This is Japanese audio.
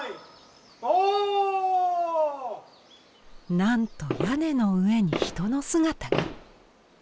なんと屋根の上に人の姿が！